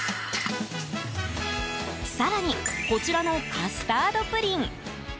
更に、こちらのカスタードプリン。